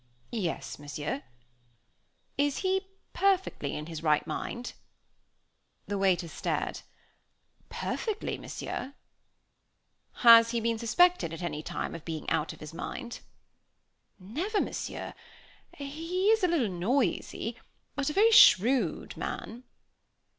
"Yes, Monsieur." "Is he perfectly in his right mind?" The waiter stared. "Perfectly, Monsieur." "Has he been suspected at any time of being out of his mind?" "Never, Monsieur; he is a little noisy, but a very shrewd man."